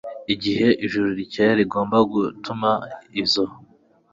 igihe ijuru rikeye rigomba gutuma izo